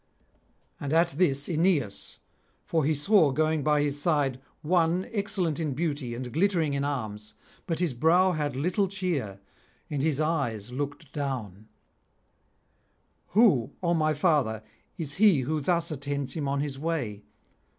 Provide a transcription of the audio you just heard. And at this Aeneas, for he saw going by his side one excellent in beauty and glittering in arms, but his brow had little cheer, and his eyes looked down: 'Who, O my father, is he who thus attends him on his way?